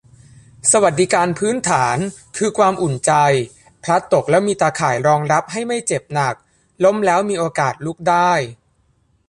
สวัสดิการพื้นฐานคือความอุ่นใจ พลัดตกแล้วมีตาข่ายรองรับให้ไม่เจ็บหนัก ล้มแล้วมีโอกาสลุกได้